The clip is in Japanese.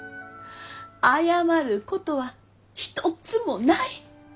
謝ることは一つもない！